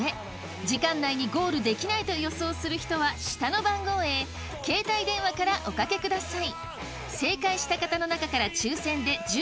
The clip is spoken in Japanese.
時間内にゴールできないと予想する人は下の番号へ携帯電話からおかけください。